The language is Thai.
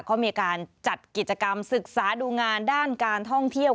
เขามีการจัดกิจกรรมศึกษาดูงานด้านการท่องเที่ยว